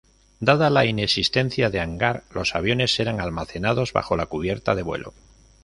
Dada la inexistencia de hangar, los aviones eran almacenados bajo la cubierta de vuelo.